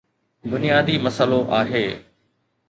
بنيادي مسئلو آهي.